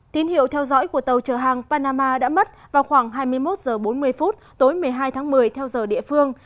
tín hiệu theo dõi của tàu chở hàng panama đã mất vào khoảng hai mươi một h bốn mươi tối một mươi hai tháng một mươi theo giờ địa phương